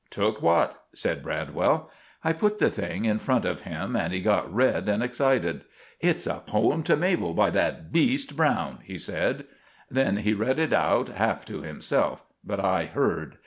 "Took what?" said Bradwell. I put the thing in front of him, and he got red and excited. "It's a poem to Mabel by that beast Browne," he said. Then he read it out, half to himself, but I heard.